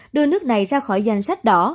đưa nước này ra khỏi danh sách đỏ